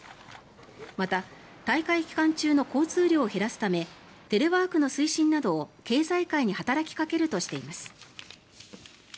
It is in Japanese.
また、大会期間中の交通量を減らすためテレワークの推進などを経済界に働きかけるとしています。